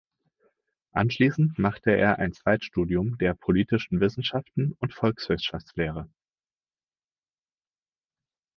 Anschließend machte er ein Zweitstudium der Politischen Wissenschaften und Volkswirtschaftslehre.